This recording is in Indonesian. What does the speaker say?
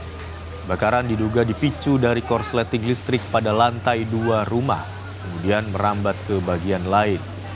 kebakaran diduga dipicu dari korsleting listrik pada lantai dua rumah kemudian merambat ke bagian lain